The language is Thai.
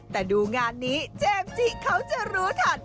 แต่ดูงานนี้เจมส์จิเขาจะรู้ทัน